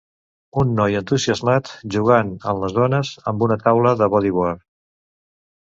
Un noi entusiasmat jugant en les ones amb una taula de bodyboard.